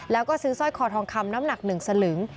แล้วก็ซื้อสร้อยคอทองคำน้ำหนัก๑สลึง